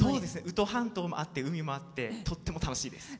宇土半島もあって海もあって、とっても楽しいです。